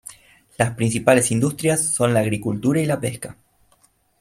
Las principales industrias son la agricultura y la pesca.